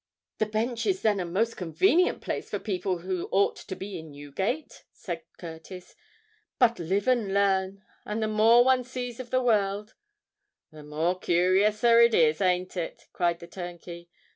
"The Bench is then a most convenient place for people who ought to be in Newgate?" said Curtis. "But live and learn; and the more one sees of the world——" "The more curiouser it is—ain't it?" cried the turnkey.